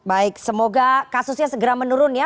baik semoga kasusnya segera menurun ya